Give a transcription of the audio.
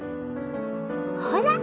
ほら。